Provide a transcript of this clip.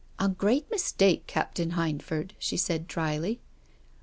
" A great mistake, Captain Hindford," she said drily.